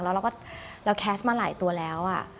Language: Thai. แล้วเราก็เราแคสต์มาหลายตัวแล้ว